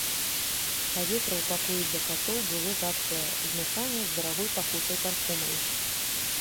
Паветра ў пакоі для катоў было затхлае, змяшанае з дарагой пахучай парфумай.